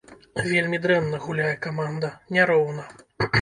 Вельмі дрэнна гуляе каманда, няроўна.